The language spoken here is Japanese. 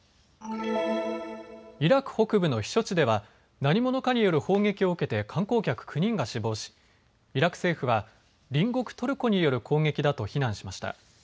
イラク北部の避暑地では何者かによる砲撃を受けて観光客９人が死亡しイラク政府は隣国トルコによる攻撃だと非難しました。